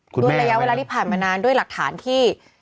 ด้วยระยะเวลาที่ผ่านมานานด้วยหลักฐานที่